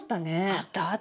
あったあった。